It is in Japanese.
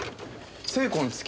精魂尽き